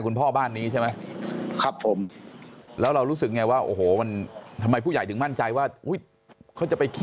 คุณพ่อบ้านนี้ใช่ไหมครับผมแล้วเรารู้สึกไงว่าโอ้โหมันทำไมผู้ใหญ่ถึงมั่นใจว่าเขาจะไปคิด